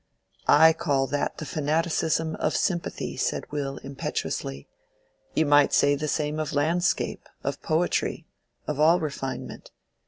"I call that the fanaticism of sympathy," said Will, impetuously. "You might say the same of landscape, of poetry, of all refinement.